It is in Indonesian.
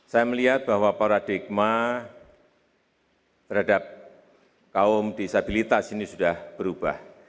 saya melihat bahwa paradigma terhadap kaum disabilitas ini sudah berubah